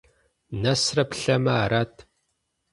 Нэсрэ плъэмэ - арат.